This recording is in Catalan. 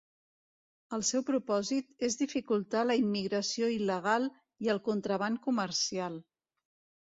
El seu propòsit és dificultar la immigració il·legal i el contraban comercial.